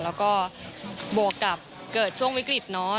แล้วก็บวกกับเกิดช่วงวิกฤตเนอะ